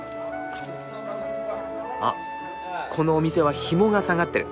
あっこのお店はひもが下がってる。